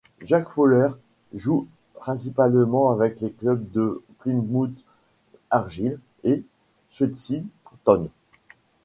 Jack Fowler joue principalement avec les clubs de Plymouth Argyle et Swansea Town.